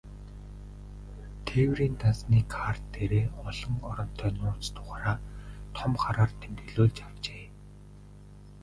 Тэтгэврийн дансны карт дээрээ олон оронтой нууц дугаараа том хараар тэмдэглүүлж авчээ.